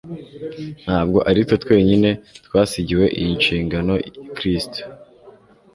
Ntabwo ari twe twenyine twasigiwe iyi nshingano Y'risto